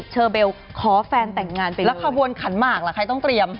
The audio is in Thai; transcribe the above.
เชอเบลขอแฟนแต่งงานไปแล้วขบวนขันหมากล่ะใครต้องเตรียม